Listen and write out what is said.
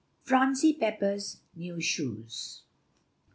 PHRONSIE PEPPER'S NEW SHOES.